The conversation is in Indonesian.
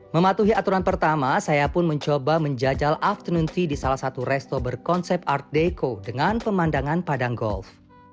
mematuhi aturan pertama saya pun mencoba menjajal afternoon tea di salah satu resto berkonsep art deco dengan pemandangan padang golf